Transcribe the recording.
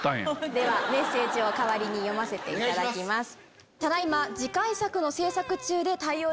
ではメッセージを代わりに読ませていただきます。